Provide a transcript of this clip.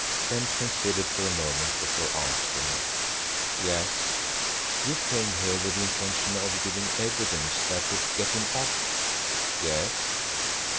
Kemp considered for a moment before answering: "Yes." "You came here with the intention of giving evidence that would get him off?" "Yes."